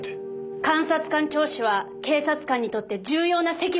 監察官聴取は警察官にとって重要な責務です。